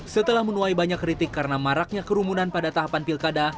setelah menuai banyak kritik karena maraknya kerumunan pada tahapan pilkada